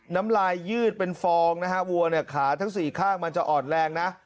น้ำลายยืดเป็นฟองนะฮะวัวเนี่ยขาทั้งสี่ข้างมันจะอ่อนแรงนะ